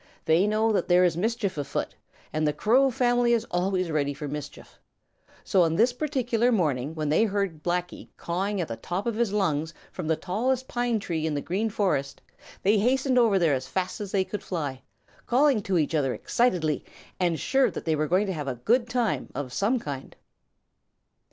They know that there is mischief afoot, and the Crow family is always ready for mischief. So on this particular morning when they heard Blacky cawing at the top of his lungs from the tallest pine tree in the Green Forest, they hastened over there as fast as they could fly, calling to each other excitedly and sure that they were going to have a good time of some kind.